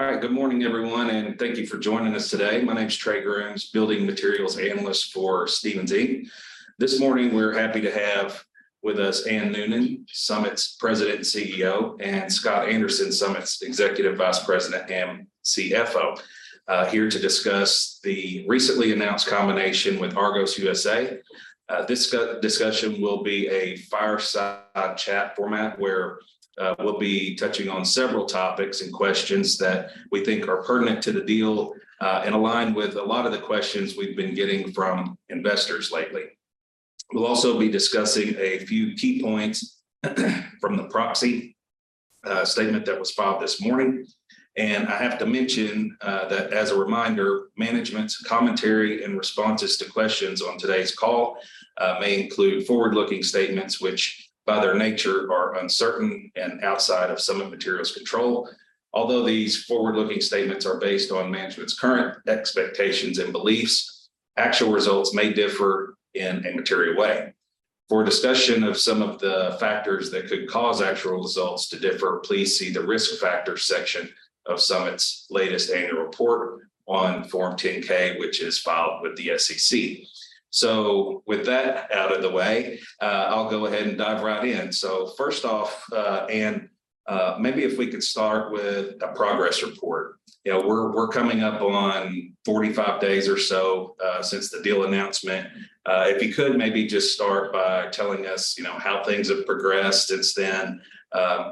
All right, good morning, everyone, and thank you for joining us today. My name is Trey Grooms, building materials analyst for Stephens Inc. This morning, we're happy to have with us Anne Noonan, Summit's President and CEO, and Scott Anderson, Summit's Executive Vice President and CFO, here to discuss the recently announced combination with Argos USA. This discussion will be a fireside chat format, where we'll be touching on several topics and questions that we think are pertinent to the deal, and aligned with a lot of the questions we've been getting from investors lately. We'll also be discussing a few key points from the proxy statement that was filed this morning. And I have to mention that as a reminder, management's commentary and responses to questions on today's call may include forward-looking statements, which by their nature are uncertain and outside of Summit Materials' control. Although these forward-looking statements are based on management's current expectations and beliefs, actual results may differ in a material way. For a discussion of some of the factors that could cause actual results to differ, please see the Risk Factors section of Summit's latest annual report on Form 10-K, which is filed with the SEC. So with that out of the way, I'll go ahead and dive right in. So first off, maybe if we could start with a progress report. You know, we're coming up on 45 days or so since the deal announcement. If you could, maybe just start by telling us, you know, how things have progressed since then,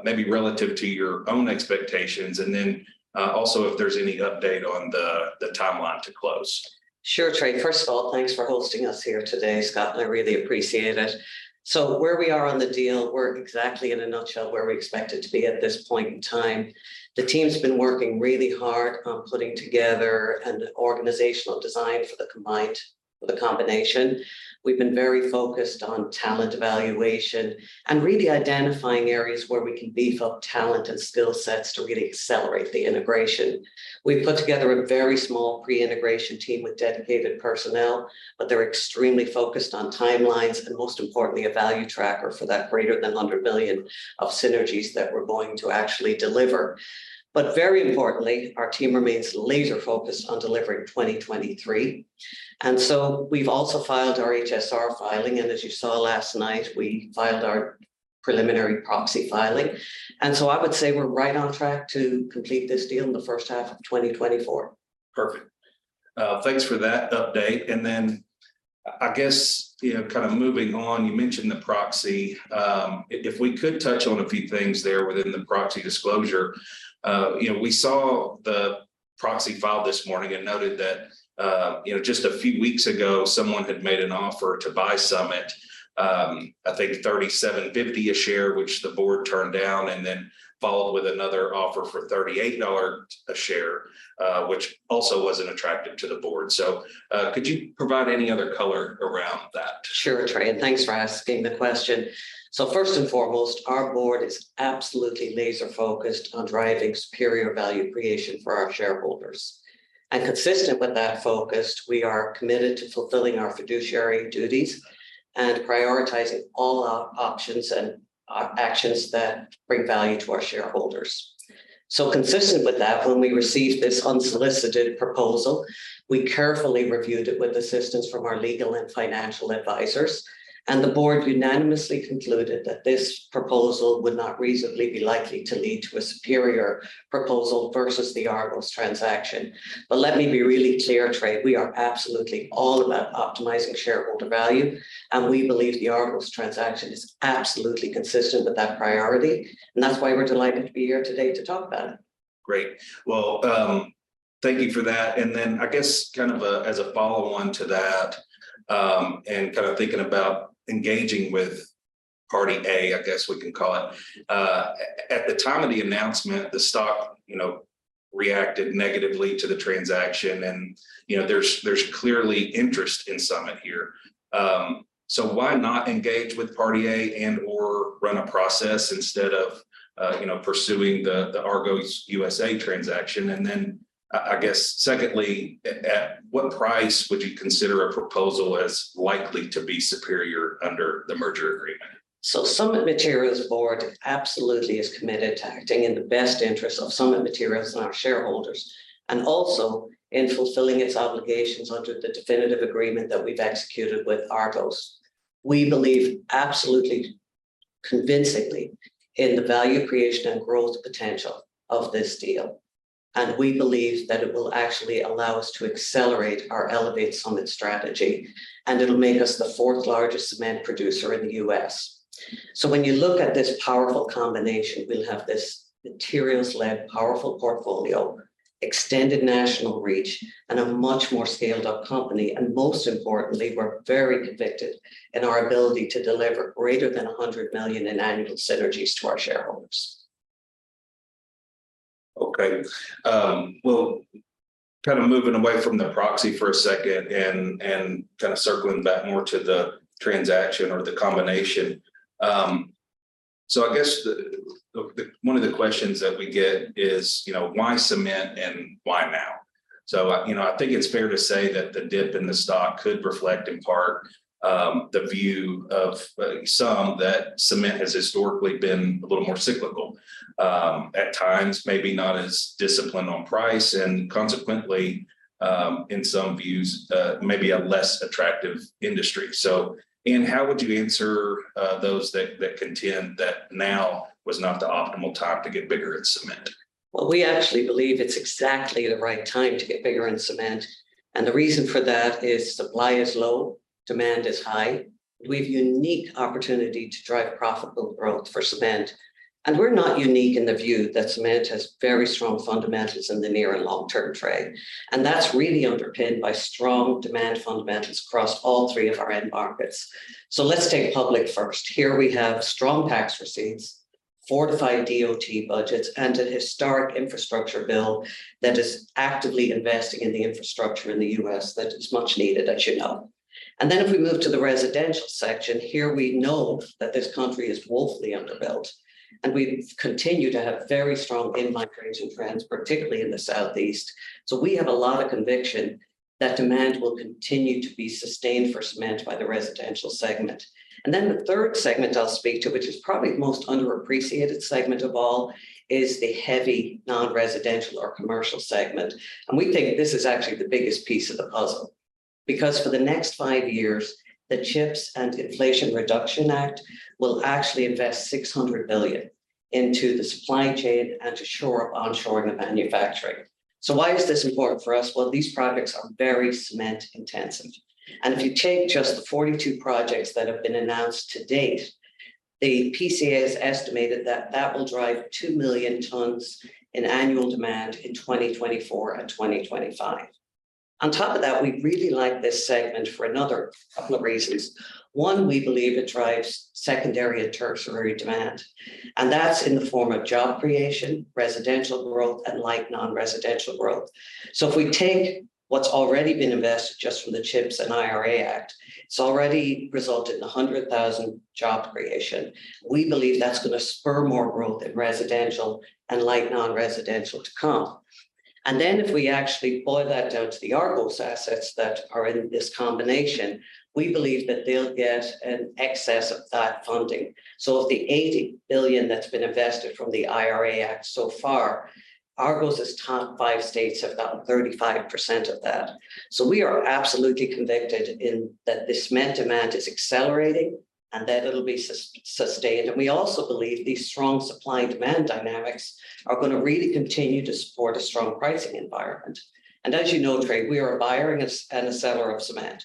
maybe relative to your own expectations, and then also if there's any update on the timeline to close. Sure, Trey. First of all, thanks for hosting us here today, Scott and I really appreciate it. So where we are on the deal, we're exactly in a nutshell, where we expect it to be at this point in time. The team's been working really hard on putting together an organizational design for the combined, for the combination. We've been very focused on talent evaluation and really identifying areas where we can beef up talent and skill sets to really accelerate the integration. We've put together a very small pre-integration team with dedicated personnel, but they're extremely focused on timelines, and most importantly, a value tracker for that greater than $100 million of synergies that we're going to actually deliver. But very importantly, our team remains laser focused on delivering 2023. And so we've also filed our HSR filing, and as you saw last night, we filed our preliminary proxy filing. And so I would say we're right on track to complete this deal in the first half of 2024. Perfect. Thanks for that update. And then I guess, you know, kind of moving on, you mentioned the proxy. If we could touch on a few things there within the proxy disclosure. You know, we saw the proxy file this morning and noted that, you know, just a few weeks ago, someone had made an offer to buy Summit, I think $37.50 a share, which the board turned down, and then followed with another offer for $38 a share, which also wasn't attractive to the board. So, could you provide any other color around that? Sure, Trey, and thanks for asking the question. So first and foremost, our board is absolutely laser focused on driving superior value creation for our shareholders. And consistent with that focus, we are committed to fulfilling our fiduciary duties and prioritizing all our options and, actions that bring value to our shareholders. So consistent with that, when we received this unsolicited proposal, we carefully reviewed it with assistance from our legal and financial advisors, and the board unanimously concluded that this proposal would not reasonably be likely to lead to a superior proposal versus the Argos transaction. But let me be really clear, Trey, we are absolutely all about optimizing shareholder value, and we believe the Argos transaction is absolutely consistent with that priority, and that's why we're delighted to be here today to talk about it. Great. Well, thank you for that. And then I guess kind of, as a follow-on to that, and kind of thinking about engaging with party A, I guess we can call it. At the time of the announcement, the stock, you know, reacted negatively to the transaction, and, you know, there's clearly interest in Summit here. So why not engage with party A and or run a process instead of, you know, pursuing the Argos USA transaction? And then, I guess secondly, at what price would you consider a proposal as likely to be superior under the merger agreement? So Summit Materials board absolutely is committed to acting in the best interest of Summit Materials and our shareholders, and also in fulfilling its obligations under the definitive agreement that we've executed with Argos. We believe absolutely, convincingly in the value creation and growth potential of this deal, and we believe that it will actually allow us to accelerate our Elevate Summit strategy, and it'll make us the fourth largest cement producer in the U.S. So when you look at this powerful combination, we'll have this materials-led, powerful portfolio, extended national reach, and a much more scaled up company. And most importantly, we're very convicted in our ability to deliver greater than $100 million in annual synergies to our shareholders. Okay, well, kind of moving away from the proxy for a second and kind of circling back more to the transaction or the combination. So I guess the one of the questions that we get is, you know, why cement and why now? So I, you know, I think it's fair to say that the dip in the stock could reflect, in part, the view of some that cement has historically been a little more cyclical. At times, maybe not as disciplined on price, and consequently, in some views, maybe a less attractive industry. So, Anne, how would you answer those that contend that now was not the optimal time to get bigger in cement? Well, we actually believe it's exactly the right time to get bigger in cement, and the reason for that is supply is low, demand is high. We've unique opportunity to drive profitable growth for cement. We're not unique in the view that cement has very strong fundamentals in the near and long-term trade, and that's really underpinned by strong demand fundamentals across all three of our end markets. Let's take public first. Here we have strong tax receipts, fortified DOT budgets, and a historic infrastructure bill that is actively investing in the infrastructure in the U.S. that is much needed, as you know. If we move to the residential section, here we know that this country is woefully underbuilt, and we continue to have very strong in-migration trends, particularly in the Southeast. We have a lot of conviction that demand will continue to be sustained for cement by the residential segment. The third segment I'll speak to, which is probably the most underappreciated segment of all, is the heavy non-residential or commercial segment. We think this is actually the biggest piece of the puzzle. Because for the next 5 years, the CHIPS and Inflation Reduction Act will actually invest $600 billion into the supply chain and to shore up onshoring of manufacturing. Why is this important for us? Well, these projects are very cement intensive, and if you take just the 42 projects that have been announced to date, the PCA has estimated that that will drive 2,000,000 tons in annual demand in 2024 and 2025. On top of that, we really like this segment for another couple of reasons. One, we believe it drives secondary and tertiary demand, and that's in the form of job creation, residential growth, and light non-residential growth. So if we take what's already been invested just from the CHIPS and IRA Act, it's already resulted in 100,000 job creation. We believe that's going to spur more growth in residential and light non-residential to come. And then, if we actually boil that down to the Argos assets that are in this combination, we believe that they'll get an excess of that funding. So of the $80 billion that's been invested from the IRA Act so far, Argos' top five states have about 35% of that. So we are absolutely convicted in that the cement demand is accelerating and that it'll be sustained. We also believe these strong supply and demand dynamics are going to really continue to support a strong pricing environment. As you know, Trey, we are a buyer and a seller of cement,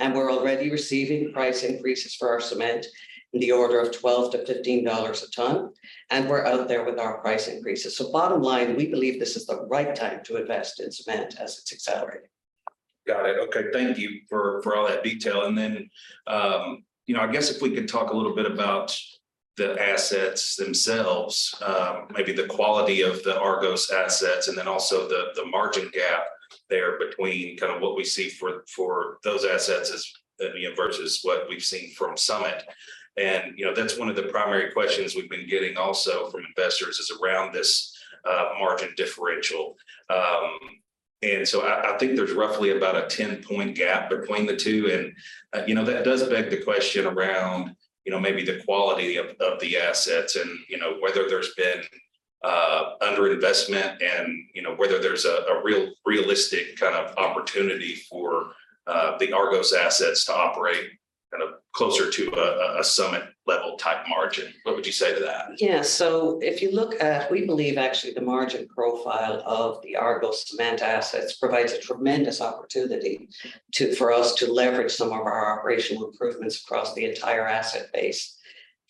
and we're already receiving price increases for our cement in the order of $12-$15 a ton, and we're out there with our price increases. Bottom line, we believe this is the right time to invest in cement as it's accelerating. Got it. Okay, thank you for, for all that detail. And then, you know, I guess if we could talk a little bit about the assets themselves, maybe the quality of the Argos assets, and then also the, the margin gap there between kind of what we see for, for those assets as, versus what we've seen from Summit. And, you know, that's one of the primary questions we've been getting also from investors, is around this, margin differential. And so I think there's roughly about a 10-point gap between the two, and, you know, that does beg the question around, you know, maybe the quality of the assets and, you know, whether there's been underinvestment and, you know, whether there's a realistic kind of opportunity for the Argos assets to operate kind of closer to a Summit-level type margin. What would you say to that? Yeah. So if you look at... We believe, actually, the margin profile of the Argos cement assets provides a tremendous opportunity to, for us to leverage some of our operational improvements across the entire asset base.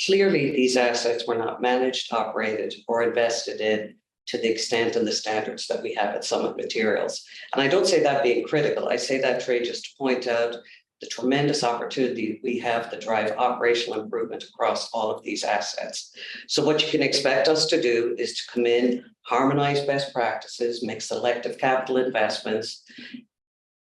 Clearly, these assets were not managed, operated, or invested in to the extent and the standards that we have at Summit Materials. And I don't say that being critical. I say that, Trey, just to point out the tremendous opportunity we have to drive operational improvement across all of these assets. So what you can expect us to do is to come in, harmonize best practices, make selective capital investments,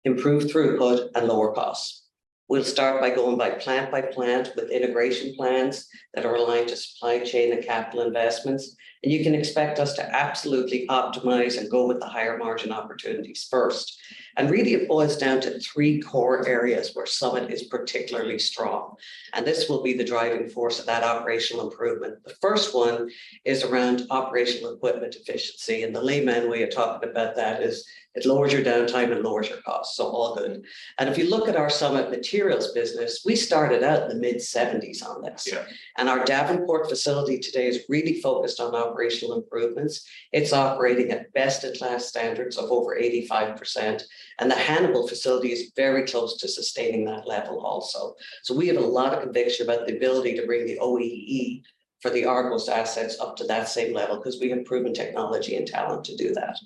improve throughput, and lower costs. We'll start by going by plant by plant, with integration plans that are aligned to supply chain and capital investments, and you can expect us to absolutely optimize and go with the higher-margin opportunities first. Really, it boils down to the three core areas where Summit is particularly strong, and this will be the driving force of that operational improvement. The first one is around operational equipment efficiency, and the layman way of talking about that is it lowers your downtime and lowers your costs, so all good. If you look at our Summit Materials business, we started out in the mid-70s on this. Sure. Our Davenport facility today is really focused on operational improvements. It's operating at best-in-class standards of over 85%, and the Hannibal facility is very close to sustaining that level also. So we have a lot of conviction about the ability to bring the OEE for the Argos assets up to that same level because we have proven technology and talent to do that.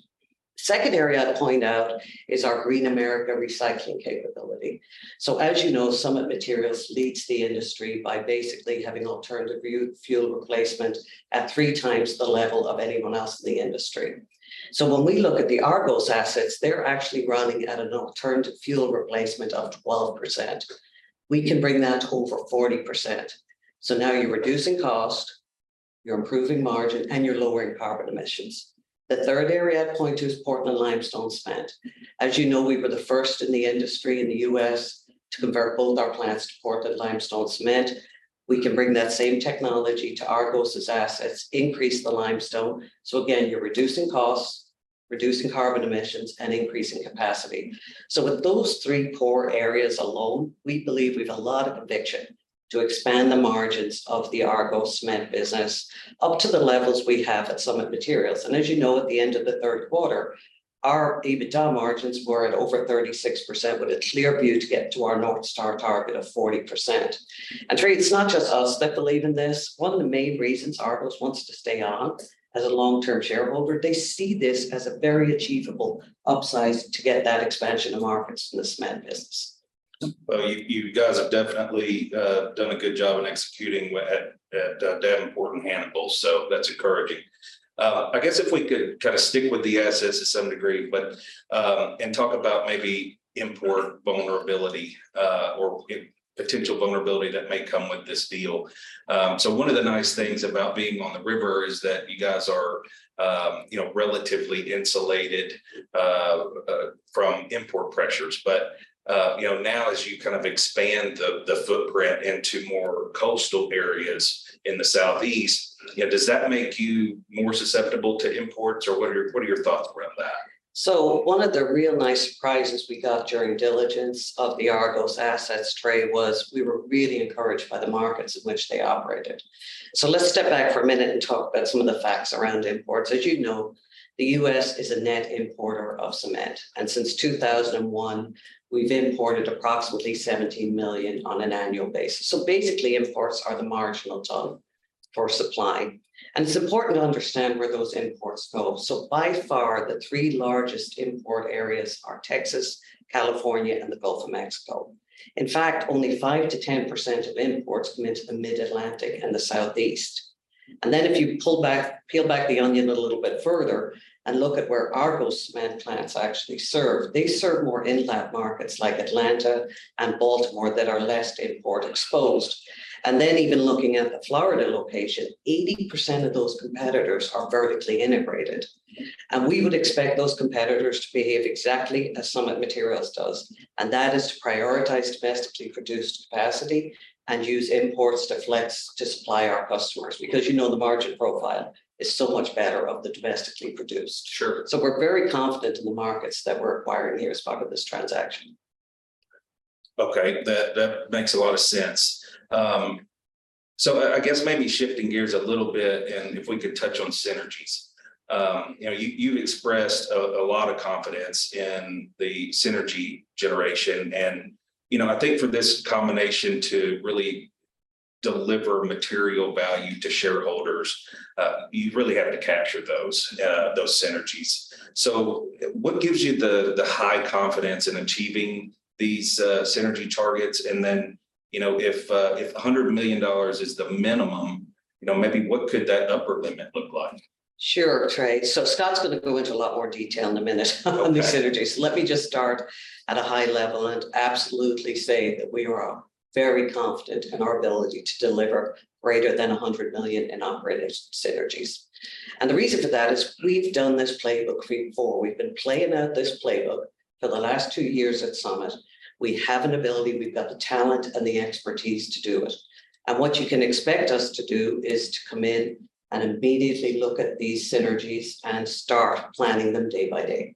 Second area I'd point out is our Green America Recycling capability. So as you know, Summit Materials leads the industry by basically having alternative fuel replacement at three times the level of anyone else in the industry. So when we look at the Argos assets, they're actually running at an alternative fuel replacement of 12%. We can bring that to over 40%. So now you're reducing costs. You're improving margin, and you're lowering carbon emissions. The third area I'd point to is Portland limestone cement. As you know, we were the first in the industry in the U.S. to convert both our plants to Portland limestone cement. We can bring that same technology to Argos's assets, increase the limestone. So again, you're reducing costs, reducing carbon emissions, and increasing capacity. So with those three core areas alone, we believe we've a lot of conviction to expand the margins of the Argos cement business up to the levels we have at Summit Materials. And as you know, at the end of the third quarter, our EBITDA margins were at over 36%, with a clear view to get to our North Star target of 40%. And Trey, it's not just us that believe in this. One of the main reasons Argos wants to stay on as a long-term shareholder. They see this as a very achievable upsize to get that expansion of markets in the cement business. Well, you guys have definitely done a good job in executing at Davenport and Hannibal, so that's encouraging. I guess if we could kinda stick with the assets to some degree, but and talk about maybe import vulnerability, or potential vulnerability that may come with this deal. So one of the nice things about being on the river is that you guys are, you know, relatively insulated from import pressures. But, you know, now as you kind of expand the footprint into more coastal areas in the Southeast, you know, does that make you more susceptible to imports, or what are your thoughts around that? So one of the real nice surprises we got during diligence of the Argos assets, Trey, was we were really encouraged by the markets in which they operated. So let's step back for a minute and talk about some of the facts around imports. As you know, the U.S. is a net importer of cement, and since 2001, we've imported approximately 17 million on an annual basis. So basically, imports are the marginal ton for supply, and it's important to understand where those imports go. So by far, the three largest import areas are Texas, California, and the Gulf of Mexico. In fact, only 5%-10% of imports come into the Mid-Atlantic and the Southeast. And then, if you pull back, peel back the onion a little bit further and look at where Argos cement plants actually serve, they serve more inland markets, like Atlanta and Baltimore, that are less import exposed. And then, even looking at the Florida location, 80% of those competitors are vertically integrated, and we would expect those competitors to behave exactly as Summit Materials does, and that is to prioritize domestically produced capacity and use imports to flex to supply our customers. Because you know the margin profile is so much better of the domestically produced. Sure. We're very confident in the markets that we're acquiring here as part of this transaction. Okay, that, that makes a lot of sense. So I guess maybe shifting gears a little bit, and if we could touch on synergies. You know, you expressed a lot of confidence in the synergy generation. And, you know, I think for this combination to really deliver material value to shareholders, you really have to capture those, those synergies. So what gives you the high confidence in achieving these synergy targets? And then, you know, if a hundred million dollars is the minimum, you know, maybe what could that upper limit look like? Sure, Trey. So Scott's gonna go into a lot more detail in a minute. Okay... on the synergies. Let me just start at a high level and absolutely say that we are very confident in our ability to deliver greater than $100 million in operating synergies. The reason for that is we've done this playbook before. We've been playing out this playbook for the last two years at Summit. We have an ability. We've got the talent and the expertise to do it, and what you can expect us to do is to come in and immediately look at these synergies and start planning them day by day.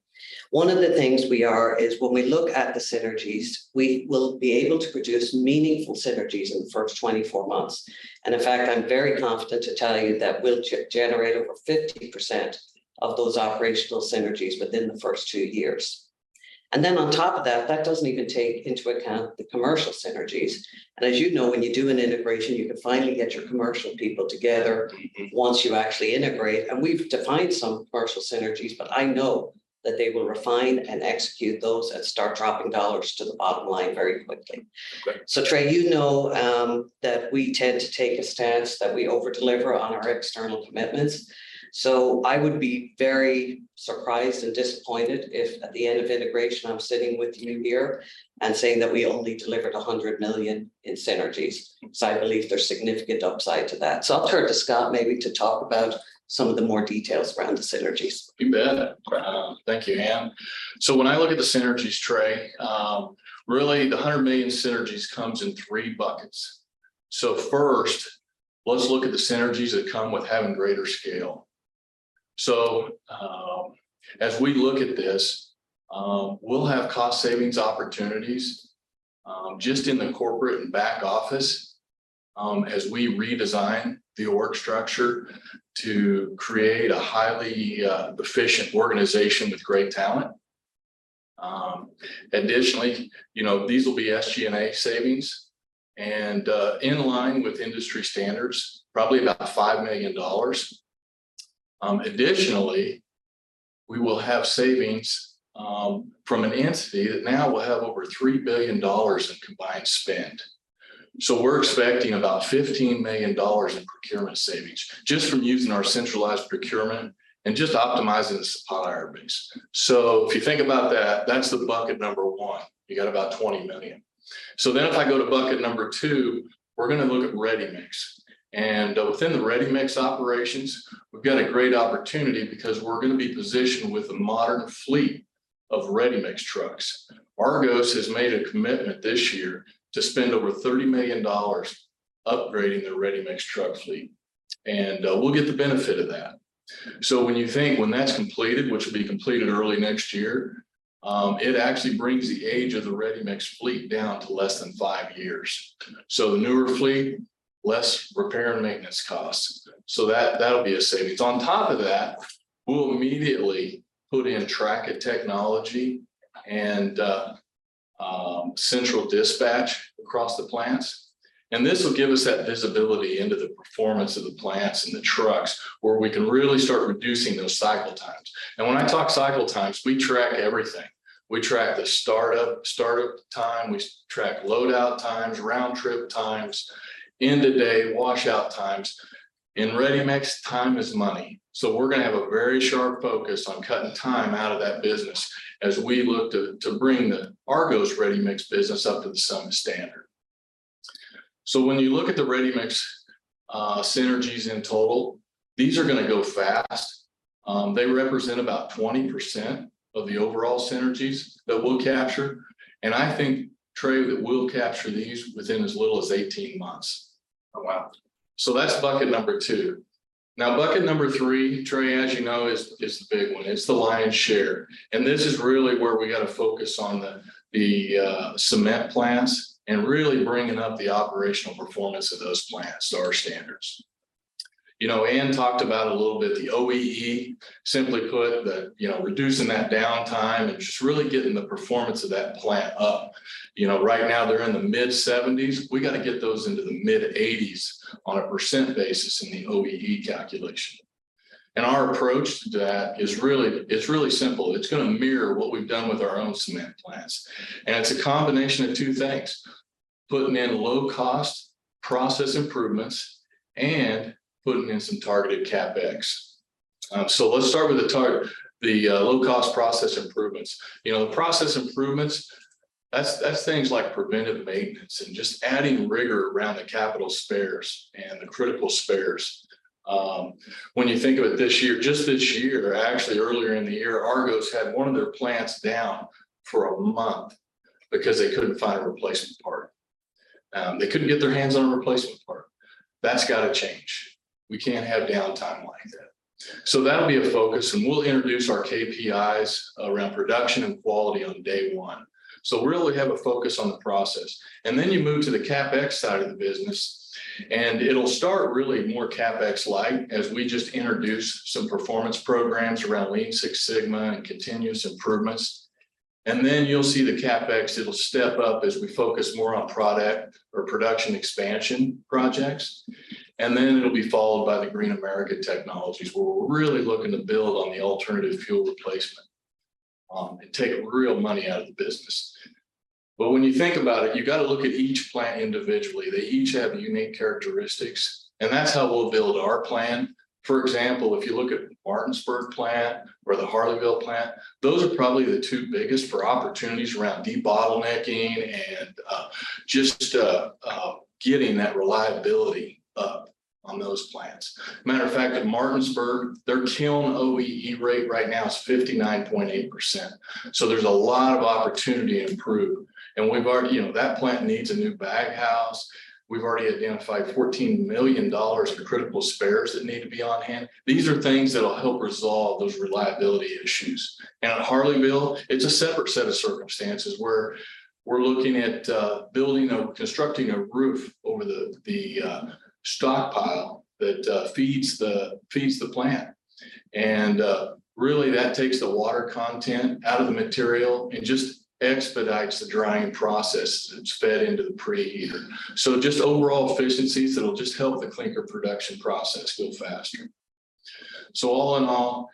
One of the things we are is, when we look at the synergies, we will be able to produce meaningful synergies in the first 24 months. And in fact, I'm very confident to tell you that we'll generate over 50% of those operational synergies within the first two years. Then on top of that, that doesn't even take into account the commercial synergies. As you know, when you do an integration, you can finally get your commercial people together- Mm-hmm... once you actually integrate, and we've defined some commercial synergies. But I know that they will refine and execute those and start dropping dollars to the bottom line very quickly. Great. So, Trey, you know, that we tend to take a stance that we over-deliver on our external commitments. So I would be very surprised and disappointed if at the end of integration I'm sitting with you here and saying that we only delivered $100 million in synergies. Mm-hmm. I believe there's significant upside to that. Sure. I'll turn to Scott maybe to talk about some of the more details around the synergies. You bet. Thank you, Anne. So when I look at the synergies, Trey, really the $100 million synergies comes in three buckets. So first, let's look at the synergies that come with having greater scale. So, as we look at this, we'll have cost savings opportunities, just in the corporate and back office, as we redesign the org structure to create a highly, efficient organization with great talent. Additionally, you know, these will be SG&A savings and, in line with industry standards, probably about $5 million. Additionally, we will have savings, from an entity that now will have over $3 billion in combined spend. So we're expecting about $15 million in procurement savings just from using our centralized procurement and just optimizing the supplier base. So if you think about that, that's the bucket number one. You got about $20 million. So then, if I go to bucket number two-... We're gonna look at ready-mix. And within the ready-mix operations, we've got a great opportunity because we're gonna be positioned with a modern fleet of ready-mix trucks. Argos has made a commitment this year to spend over $30 million upgrading their ready-mix truck fleet, and we'll get the benefit of that. So when you think that's completed, which will be completed early next year, it actually brings the age of the ready-mix fleet down to less than 5 years. So the newer fleet, less repair and maintenance costs, so that'll be a savings. On top of that, we'll immediately put in track and technology and central dispatch across the plants, and this will give us that visibility into the performance of the plants and the trucks, where we can really start reducing those cycle times. When I talk cycle times, we track everything. We track the startup time, we track load out times, round trip times, end of day washout times. In ready-mix, time is money, so we're gonna have a very sharp focus on cutting time out of that business as we look to bring the Argos ready-mix business up to the Summit standard. So when you look at the ready-mix synergies in total, these are gonna go fast. They represent about 20% of the overall synergies that we'll capture, and I think, Trey, that we'll capture these within as little as 18 months. Oh, wow! That's bucket number 2. Now, bucket number 3, Trey, as you know, is the big one. It's the lion's share, and this is really where we gotta focus on the cement plants and really bringing up the operational performance of those plants to our standards. You know, Ann talked about a little bit, the OEE, simply put, the, you know, reducing that downtime and just really getting the performance of that plant up. You know, right now, they're in the mid-70s. We gotta get those into the mid-80s on a percent basis in the OEE calculation. And our approach to that is really, it's really simple. It's gonna mirror what we've done with our own cement plants. And it's a combination of two things: putting in low-cost process improvements and putting in some targeted CapEx. So let's start with the target, the low-cost process improvements. You know, the process improvements, that's things like preventive maintenance and just adding rigor around the capital spares and the critical spares. When you think of it this year, just this year, actually, earlier in the year, Argos had one of their plants down for a month because they couldn't find a replacement part. They couldn't get their hands on a replacement part. That's gotta change. We can't have downtime like that. So that'll be a focus, and we'll introduce our KPIs around production and quality on day one. So we really have a focus on the process. And then you move to the CapEx side of the business, and it'll start really more CapEx light as we just introduce some performance programs around Lean Six Sigma and continuous improvements. And then you'll see the CapEx, it'll step up as we focus more on product or production expansion projects. And then it'll be followed by the Green America Recycling, where we're really looking to build on the alternative fuel replacement and take real money out of the business. But when you think about it, you gotta look at each plant individually. They each have unique characteristics, and that's how we'll build our plan. For example, if you look at Martinsburg plant or the Harleyville plant, those are probably the two biggest for opportunities around debottlenecking and getting that reliability up on those plants. Matter of fact, in Martinsburg, their kiln OEE rate right now is 59.8%, so there's a lot of opportunity to improve. And we've already, you know, that plant needs a new baghouse. We've already identified $14 million for critical spares that need to be on hand. These are things that'll help resolve those reliability issues. At Harleyville, it's a separate set of circumstances where we're looking at building, constructing a roof over the stockpile that feeds the plant. And really, that takes the water content out of the material and just expedites the drying process that's fed into the preheater. So just overall efficiencies that'll just help the clinker production process go faster. So all in all,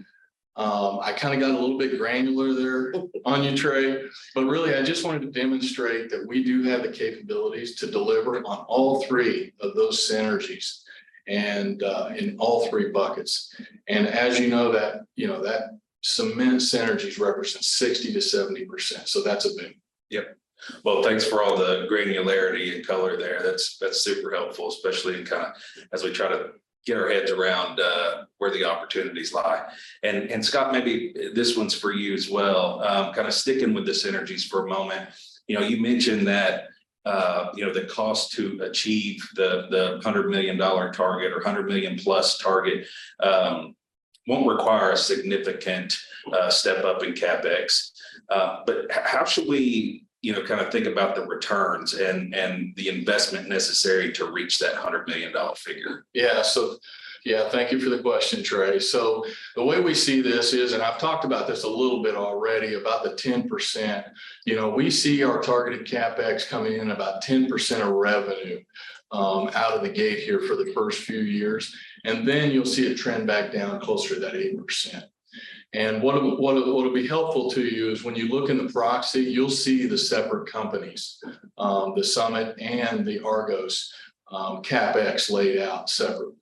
I kinda got a little bit granular there on you, Trey, but really, I just wanted to demonstrate that we do have the capabilities to deliver on all three of those synergies and in all three buckets. As you know, you know, that cement synergies represent 60%-70%, so that's a win. Yep. Well, thanks for all the granularity and color there. That's super helpful, especially in kind, as we try to get our heads around where the opportunities lie. And Scott, maybe this one's for you as well. Kinda sticking with the synergies for a moment, you know, you mentioned that you know, the cost to achieve the $100 million target or $100 million plus target won't require a significant step up in CapEx, but how should we, you know, kind of think about the returns and the investment necessary to reach that $100 million figure? Yeah. So yeah, thank you for the question, Trey. So the way we see this is, and I've talked about this a little bit already, about the 10%. You know, we see our targeted CapEx coming in about 10% of revenue, out of the gate here for the first few years, and then you'll see it trend back down closer to that 8%. And one of what will be helpful to you is when you look in the proxy, you'll see the separate companies, the Summit and the Argos, CapEx laid out separately.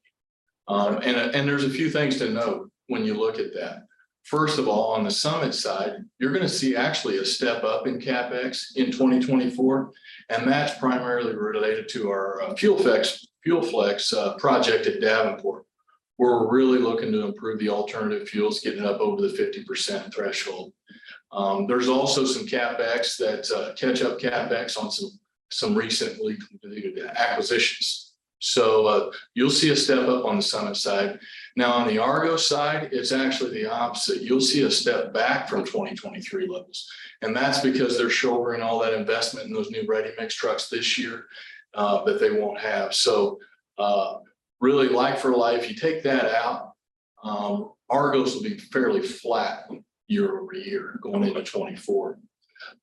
And there's a few things to note when you look at that. First of all, on the Summit side, you're gonna see actually a step up in CapEx in 2024, and that's primarily related to our FuelFlex project at Davenport. We're really looking to improve the alternative fuels, getting up over the 50% threshold. There's also some CapEx that, catch-up CapEx on some recently completed acquisitions. So, you'll see a step up on the Summit side. Now, on the Argos side, it's actually the opposite. You'll see a step back from 2023 levels, and that's because they're shouldering all that investment in those new ready-mix trucks this year, that they won't have. So, really like for like, if you take that out, Argos will be fairly flat year-over-year going into 2024.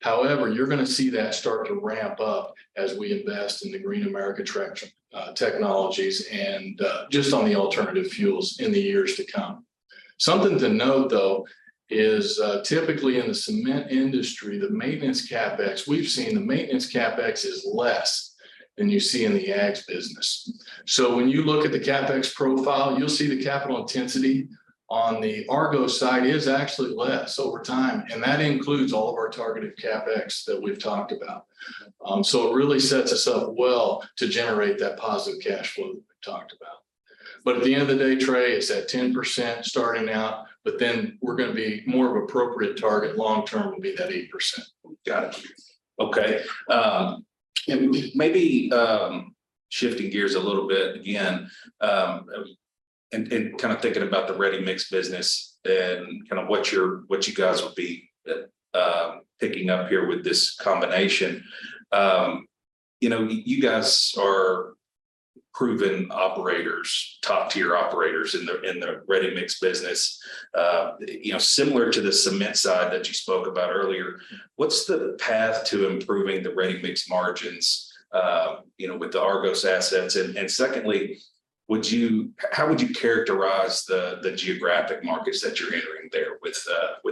However, you're gonna see that start to ramp up as we invest in the Green America Recycling technologies and just on the alternative fuels in the years to come. Something to note, though, is, typically in the cement industry, the maintenance CapEx, we've seen the maintenance CapEx is less than you see in the agg business. So when you look at the CapEx profile, you'll see the capital intensity on the Argos side is actually less over time, and that includes all of our targeted CapEx that we've talked about. So it really sets us up well to generate that positive cash flow we talked about. But at the end of the day, Trey, it's at 10% starting out, but then we're gonna be more of appropriate target long term will be that 8%. Got it. Okay, and maybe shifting gears a little bit again, and kind of thinking about the ready-mix business and kind of what you're, what you guys will be picking up here with this combination. You know, you guys are proven operators, top-tier operators in the ready-mix business. You know, similar to the cement side that you spoke about earlier, what's the path to improving the ready-mix margins, you know, with the Argos assets? And secondly, would you how would you characterize the geographic markets that you're entering there with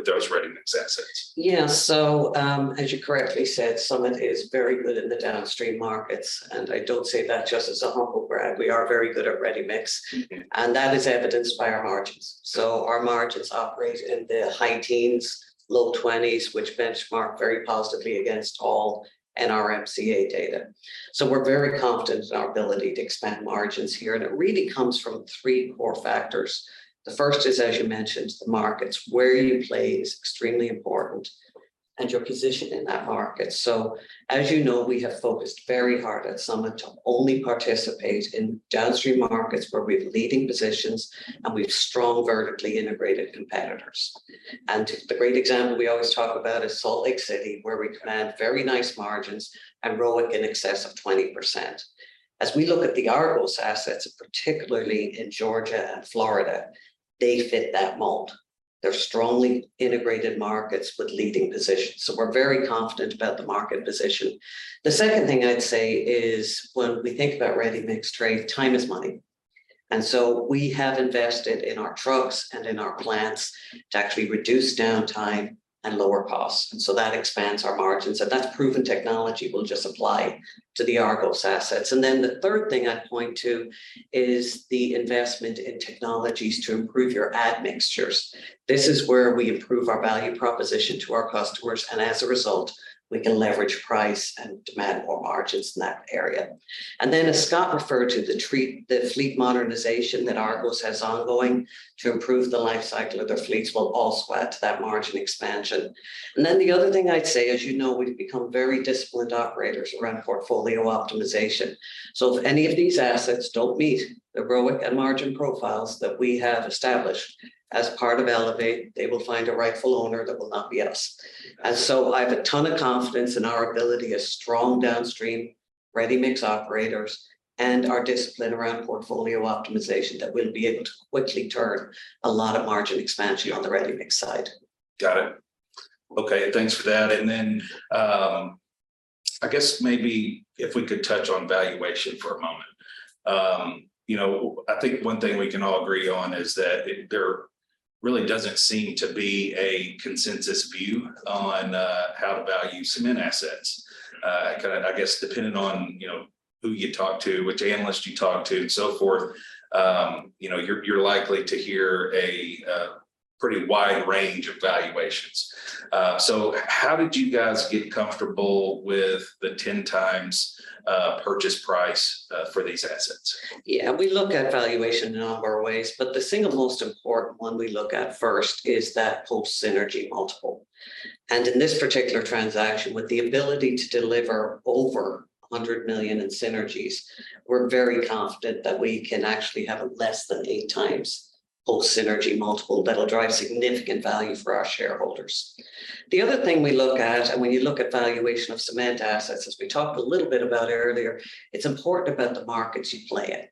those ready-mix assets? Yeah. So, as you correctly said, Summit is very good in the downstream markets, and I don't say that just as a humble brag. We are very good at ready-mix- Mm-hmm. and that is evidenced by our margins. So our margins operate in the high teens, low twenties, which benchmark very positively against all NRMCA data. So we're very confident in our ability to expand margins here, and it really comes from three core factors. The first is, as you mentioned, the markets. Where you play is extremely important and your position in that market. So, as you know, we have focused very hard at Summit to only participate in downstream markets where we have leading positions, and we have strong vertically integrated competitors. And the great example we always talk about is Salt Lake City, where we command very nice margins and ROIC in excess of 20%. As we look at the Argos assets, particularly in Georgia and Florida, they fit that mold. They're strongly integrated markets with leading positions, so we're very confident about the market position. The second thing I'd say is, when we think about ready-mix, trade, time is money, and so we have invested in our trucks and in our plants to actually reduce downtime and lower costs, and so that expands our margins, and that's proven technology we'll just apply to the Argos assets. And then the third thing I'd point to is the investment in technologies to improve your admixtures. This is where we improve our value proposition to our customers, and as a result, we can leverage price and demand more margins in that area. And then, as Scott referred to, the fleet modernization that Argos has ongoing to improve the life cycle of their fleets will also add to that margin expansion. And then the other thing I'd say, as you know, we've become very disciplined operators around portfolio optimization. If any of these assets don't meet the ROIC and margin profiles that we have established as part of Elevate, they will find a rightful owner that will not be us. I have a ton of confidence in our ability as strong downstream ready-mix operators and our discipline around portfolio optimization that we'll be able to quickly turn a lot of margin expansion on the ready-mix side. Got it. Okay, thanks for that, and then, I guess maybe if we could touch on valuation for a moment. You know, I think one thing we can all agree on is that there really doesn't seem to be a consensus view on, how to value cement assets. Kinda, I guess, depending on, you know, who you talk to, which analyst you talk to, and so forth, you know, you're, you're likely to hear a, pretty wide range of valuations. So how did you guys get comfortable with the 10x purchase price, for these assets? Yeah, we look at valuation in a number of ways, but the single most important one we look at first is that post-synergy multiple. In this particular transaction, with the ability to deliver over $100 million in synergies, we're very confident that we can actually have a less than 8x post-synergy multiple that'll drive significant value for our shareholders. The other thing we look at, and when you look at valuation of cement assets, as we talked a little bit about earlier, it's important about the markets you play in.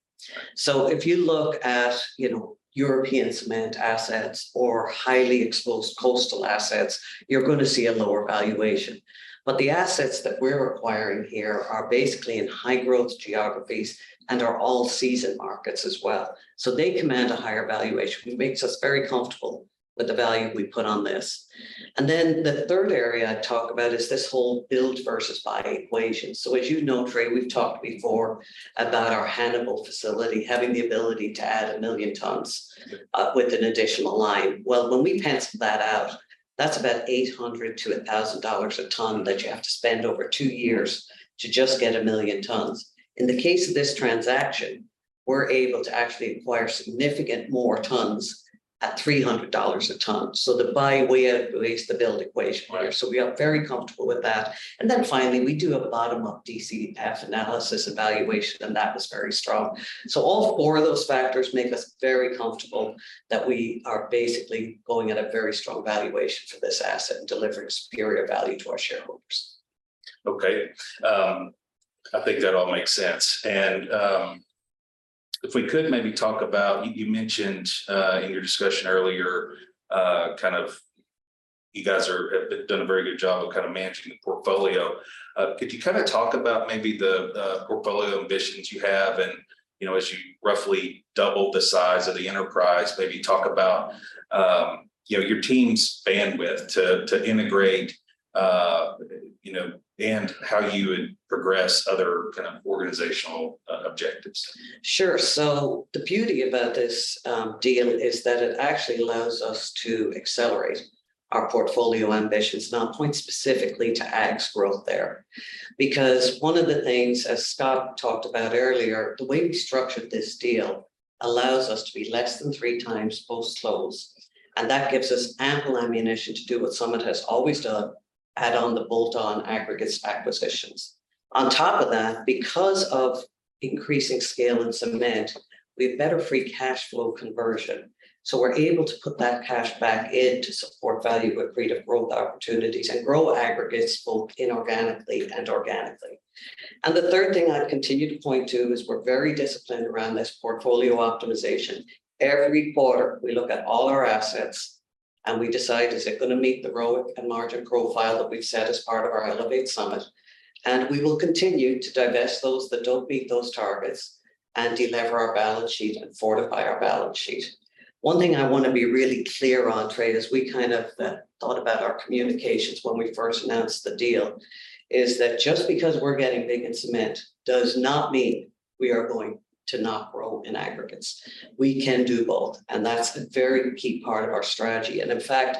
So if you look at, you know, European cement assets or highly exposed coastal assets, you're going to see a lower valuation. But the assets that we're acquiring here are basically in high-growth geographies and are all-season markets as well, so they command a higher valuation, makes us very comfortable with the value we put on this. And then the third area I'd talk about is this whole build versus buy equation. So as you know, Trey, we've talked before about our Hannibal facility having the ability to add 1 million tons with an additional line. Well, when we penciled that out, that's about $800-$1,000 a ton that you have to spend over 2 years to just get 1 million tons. In the case of this transaction, we're able to actually acquire significant more tons at $300 a ton. So the buy way outweighs the build equation. Right. So we are very comfortable with that. And then finally, we do have a bottom-up DCF analysis evaluation, and that was very strong. So all four of those factors make us very comfortable that we are basically going at a very strong valuation for this asset and delivering superior value to our shareholders. Okay, I think that all makes sense. And, if we could maybe talk about, you mentioned in your discussion earlier, kind of you guys have done a very good job of kind of managing the portfolio. Could you kind of talk about maybe the portfolio ambitions you have and, you know, as you roughly double the size of the enterprise, maybe talk about, you know, your team's bandwidth to integrate, you know, and how you would progress other kind of organizational objectives? Sure. So the beauty about this deal is that it actually allows us to accelerate our portfolio ambitions, and I'll point specifically to aggs' growth there. Because one of the things, as Scott talked about earlier, the way we structured this deal allows us to be less than 3x net leverage, and that gives us ample ammunition to do what Summit has always done: add on the bolt-on aggregates acquisitions. On top of that, because of increasing scale in cement, we have better free cash flow conversion, so we're able to put that cash back in to support value accretive growth opportunities and grow aggregates both inorganically and organically. And the third thing I'd continue to point to is we're very disciplined around this portfolio optimization. Every quarter, we look at all our assets, and we decide, is it going to meet the ROIC and margin profile that we've set as part of our Elevate Summit? We will continue to divest those that don't meet those targets and delever our balance sheet and fortify our balance sheet. One thing I want to be really clear on, Trey, as we kind of, thought about our communications when we first announced the deal, is that just because we're getting big in cement does not mean we are going to not grow in aggregates. We can do both, and that's a very key part of our strategy. And in fact,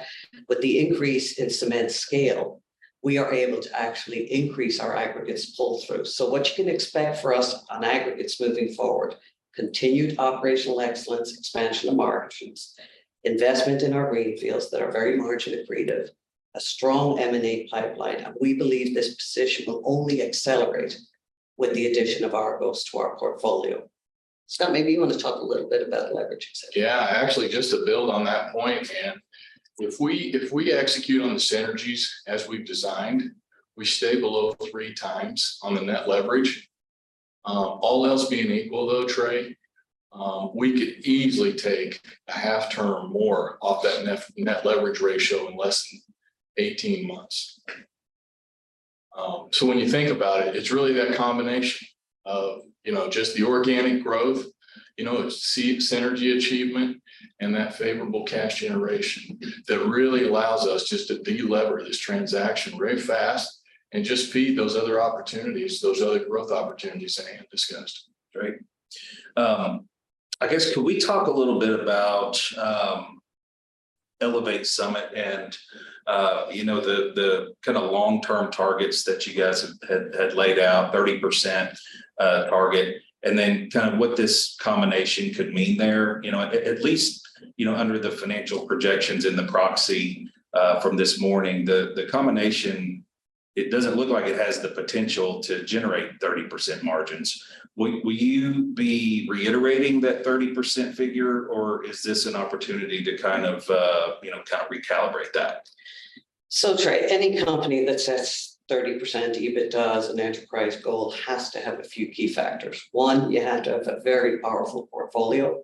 with the increase in cement scale, we are able to actually increase our aggregates pull-through. So what you can expect from us on aggregates moving forward: continued operational excellence, expansion of margins, investment in our greenfields that are very margin accretive, a strong M&A pipeline. We believe this position will only accelerate with the addition of Argos to our portfolio. Scott, maybe you want to talk a little bit about the leverage you said? Yeah, actually, just to build on that point, Anne, if we, if we execute on the synergies as we've designed, we stay below 3x on the net leverage. All else being equal, though, Trey, we could easily take a half turn more off that net leverage ratio in less than 18 months. So when you think about it, it's really that combination of, you know, just the organic growth, you know, synergy achievement, and that favorable cash generation that really allows us just to delever this transaction very fast and just feed those other opportunities, those other growth opportunities Anne discussed. Right. I guess, could we talk a little bit about Elevate Summit and, you know, the kind of long-term targets that you guys had laid out, 30% target, and then kind of what this combination could mean there? You know, at least, you know, under the financial projections in the proxy from this morning, the combination, it doesn't look like it has the potential to generate 30% margins. Will you be reiterating that 30% figure, or is this an opportunity to kind of, you know, kind of recalibrate that? So, Trey, any company that sets 30% EBITDA as an enterprise goal has to have a few key factors. One, you have to have a very powerful portfolio.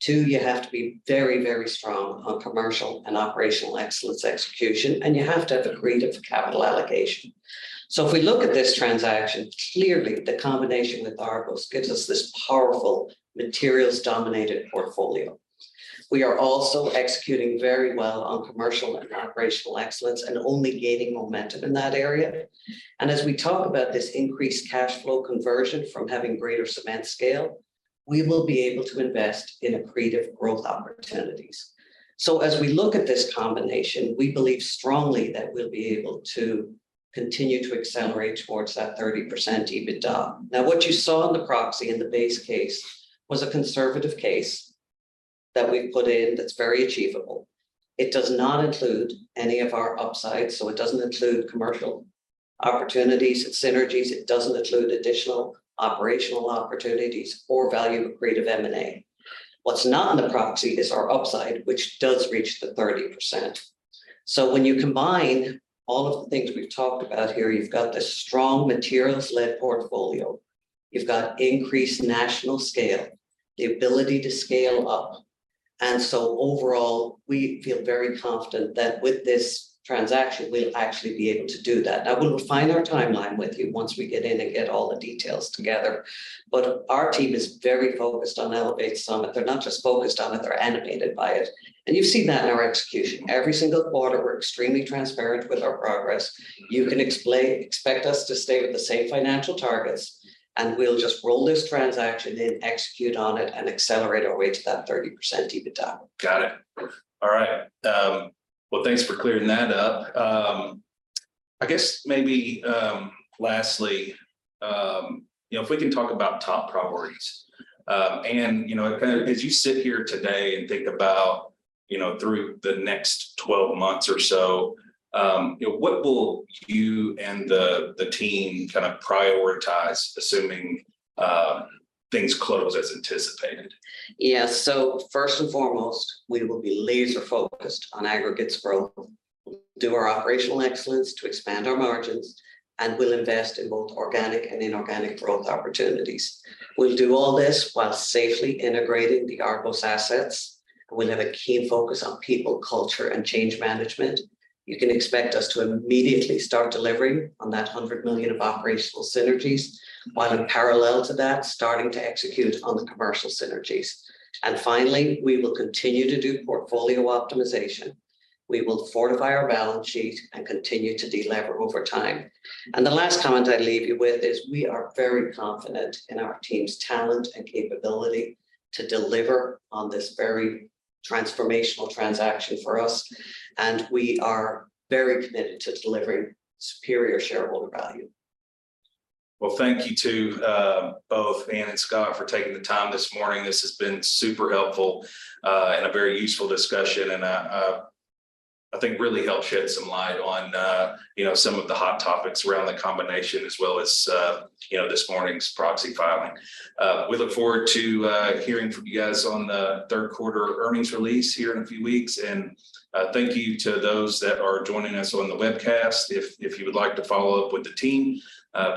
Two, you have to be very, very strong on commercial and operational excellence execution, and you have to have accretive capital allocation. So if we look at this transaction, clearly, the combination with Argos gives us this powerful, materials-dominated portfolio. We are also executing very well on commercial and operational excellence and only gaining momentum in that area. And as we talk about this increased cash flow conversion from having greater cement scale, we will be able to invest in accretive growth opportunities. So as we look at this combination, we believe strongly that we'll be able to continue to accelerate towards that 30% EBITDA. Now, what you saw in the proxy in the base case was a conservative case that we've put in that's very achievable. It does not include any of our upsides, so it doesn't include commercial opportunities, synergies. It doesn't include additional operational opportunities or value accretive M&A. What's not in the proxy is our upside, which does reach the 30%. So when you combine all of the things we've talked about here, you've got this strong materials-led portfolio, you've got increased national scale, the ability to scale up... And so overall, we feel very confident that with this transaction, we'll actually be able to do that. Now, we'll refine our timeline with you once we get in and get all the details together, but our team is very focused on Elevate Summit. They're not just focused on it, they're animated by it, and you've seen that in our execution. Every single quarter, we're extremely transparent with our progress. You can expect us to stay with the same financial targets, and we'll just roll this transaction in, execute on it, and accelerate our way to that 30% EBITDA. Got it. All right, well, thanks for clearing that up. I guess maybe lastly, you know, if we can talk about top priorities. And, you know, kind of as you sit here today and think about, you know, through the next 12 months or so, you know, what will you and the team kinda prioritize, assuming things close as anticipated? Yeah. So first and foremost, we will be laser-focused on Aggregates growth, do our operational excellence to expand our margins, and we'll invest in both organic and inorganic growth opportunities. We'll do all this while safely integrating the Argos assets, and we'll have a keen focus on people, culture, and change management. You can expect us to immediately start delivering on that $100 million of operational synergies, while in parallel to that, starting to execute on the commercial synergies. And finally, we will continue to do portfolio optimization. We will fortify our balance sheet and continue to delever over time. And the last comment I'll leave you with is, we are very confident in our team's talent and capability to deliver on this very transformational transaction for us, and we are very committed to delivering superior shareholder value. Well, thank you to both Anne and Scott for taking the time this morning. This has been super helpful, and a very useful discussion, and I think really helped shed some light on you know some of the hot topics around the combination as well as you know this morning's proxy filing. We look forward to hearing from you guys on the third quarter earnings release here in a few weeks. Thank you to those that are joining us on the webcast. If you would like to follow up with the team,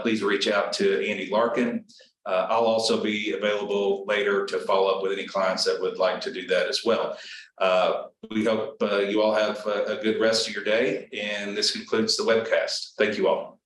please reach out to Andy Larkin. I'll also be available later to follow up with any clients that would like to do that as well. We hope you all have a good rest of your day, and this concludes the webcast. Thank you all.